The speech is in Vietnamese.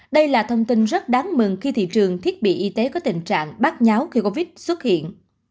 đây là thông tin rất đáng mừng khi thị trường thiết bị y tế có tình trạng bác nháo khi covid xuất hiện